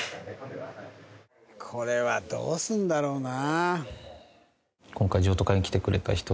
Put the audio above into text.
これはどうすんだろうな。